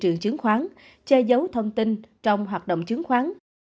trường chứng khoán che giấu thông tin trong hoạt động chứng khoán